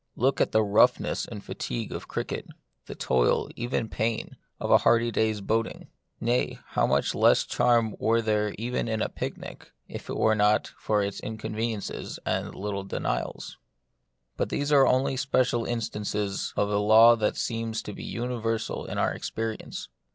Look at the roughness and fatigue of cricket, the toil, and even pain, of a hard day's boat ing. Nay, how much less charm were there even in a pic nic, if it were not for its incon veniences and little denials. But these are only special instances of a law that seems to be universal in our experi ence.